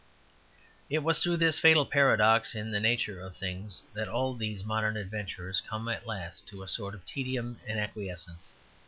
It was through this fatal paradox in the nature of things that all these modern adventurers come at last to a sort of tedium and acquiescence.